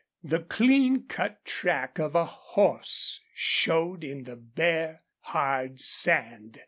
The clean cut track of a horse showed in the bare, hard sand.